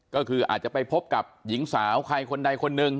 ก็คืออาจจะไปพบกับหญิงสาวใครคนใดคนหนึ่ง